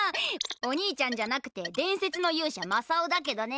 お兄ちゃんじゃなくて伝説の勇者まさおだけどね。